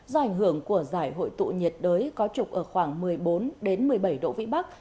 do ảnh hưởng của giải hội tụ nhiệt đới có trục ở khoảng một mươi bốn một mươi bảy độ vĩ bắc